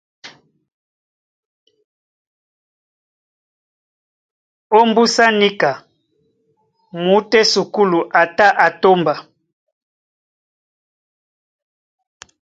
Ómbúsá níka muútú á esukúlu a tá á tómba.